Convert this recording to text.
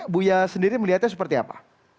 buya sendiri melihatnya seperti apa